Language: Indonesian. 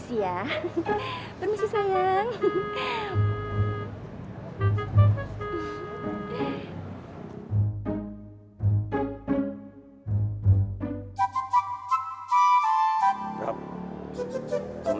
dia bener atau mana tadi